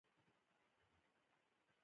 بحث کول پوهه زیاتوي